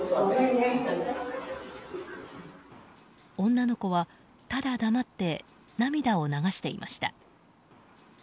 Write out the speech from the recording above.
女の子は、ただ黙って涙を流していました。